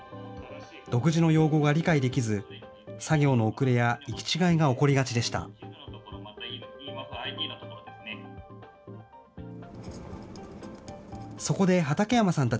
独自の用語が理解できず、作業の遅れや行き違いが起こりがちでした。